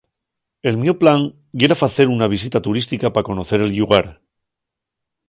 El mio plan yera facer una visita turística pa conocer el llugar.